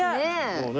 もうね。